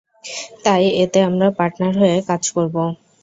তাই এতে আমরা পার্টনার হয়ে কাজ করবো।